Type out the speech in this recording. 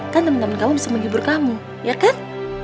kan temen temen kamu bisa menghibur kamu ya kan